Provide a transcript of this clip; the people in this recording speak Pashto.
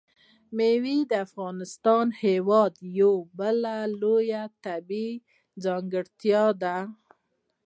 مېوې د افغانستان هېواد یوه بله لویه طبیعي ځانګړتیا ده.